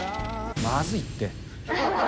まずいって。